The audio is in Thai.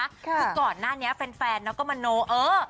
คือก่อนหน้านี้แฟนก็มโนเออ